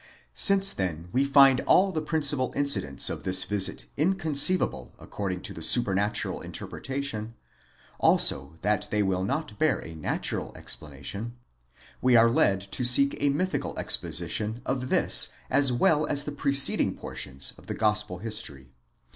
Since then we find all the principal incidents of this visit inconceivable according to the supernatural interpretation ; also that they will not beara natural explanation ; we are led to seek a mythical exposition of this as well as the preceding portions of the gospel history.